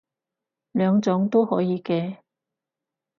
兩種都可以嘅